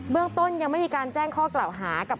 เรื่องต้นยังไม่มีการแจ้งข้อกล่าวหากับ